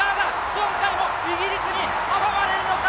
今回もイギリスに阻まれるのか。